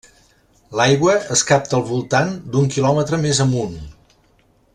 L'aigua es capta al voltant d'un quilòmetre més amunt.